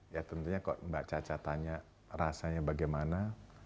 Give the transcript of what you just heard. ya tentunya kok mbak caca tanya rasanya bagaimana